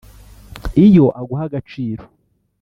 Iyo aguha agaciro